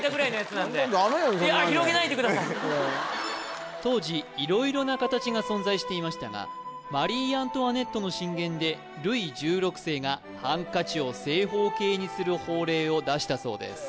そんな当時いろいろな形が存在していましたがマリー・アントワネットの進言でルイ１６世がハンカチを正方形にする法令を出したそうです